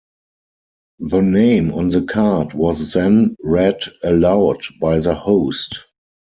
The name on the card was then read aloud by the host.